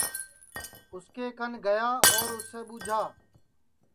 اُس کے کن گیا اور اُسے ٻوجھا